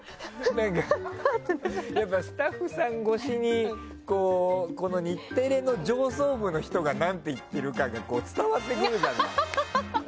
スタッフさん越しに日テレの上層部の人が何て言ってるかが伝わってくるじゃない。来ました？